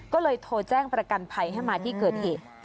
ก็เลยโทรแจ้งประกันภัยให้มาที่เกิดเหตุ